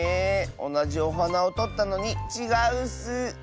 おなじおはなをとったのにちがうッス！